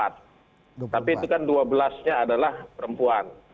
tapi itu kan dua belas nya adalah perempuan